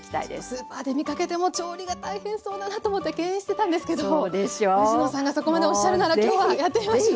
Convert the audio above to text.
スーパーで見かけても調理が大変そうだなと思って敬遠してたんですけど藤野さんがそこまでおっしゃるなら今日はやってみましょう。